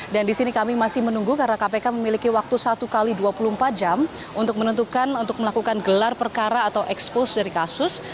dan di sini kami masih menunggu karena kpk memiliki waktu satu x dua puluh empat jam untuk menentukan untuk melakukan gelar perkara atau expose dari kasus